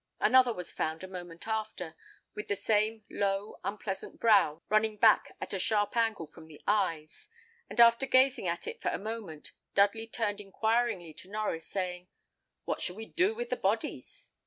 Another was found a moment after, with the same low, unpleasant brow running back at a sharp angle from the eyes; and after gazing at it for a moment, Dudley turned inquiringly to Norries, saying, "What shall we do with the bodies?"